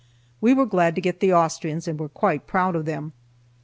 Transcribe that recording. We were glad to get the Austrians, and were quite proud of them.